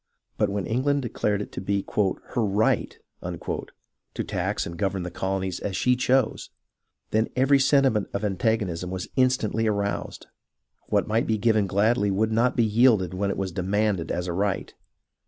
But when England declared it to be her " right " to tax and govern the colonies as she chose, THE PEOPLE IN AMERICA 7 then every sentiment of antagonism was instantly aroused. What might be given gladly would not be yielded when it was demanded as a right.